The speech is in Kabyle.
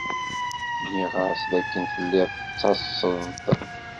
Nniɣ-as d akken telliḍ tettaseḍ-d.